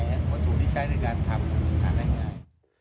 วัตถุที่ใช้ในการทำมันหาได้ง่าย